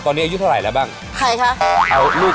ตอนนี้อายุเท่าไหร่แล้วบ้างใครคะ